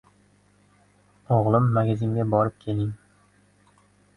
- Oʻgʻlim magazinga borib kelgin?